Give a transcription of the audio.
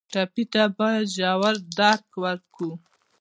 ټپي ته باید ژور درک وکړو.